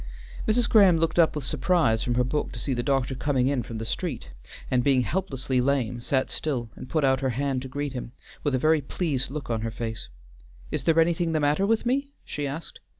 Mrs. Graham looked up with surprise from her book to see the doctor coming in from the street, and, being helplessly lame, sat still, and put out her hand to greet him, with a very pleased look on her face. "Is there anything the matter with me?" she asked.